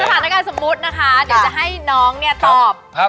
สถานการณ์สมมุตินะคะเดี๋ยวจะให้น้องเนี่ยตอบ